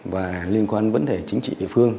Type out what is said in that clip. và liên quan vấn đề chính trị địa phương